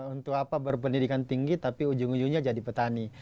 untuk apa berpendidikan tinggi tapi ujung ujungnya jadi petani